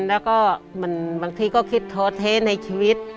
แล้วก็บางทีก็คิดท้อเทในชีวิต